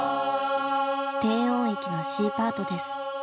低音域のＣパートです。